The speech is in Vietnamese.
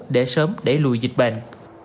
để sớm để lùi dịch bệnh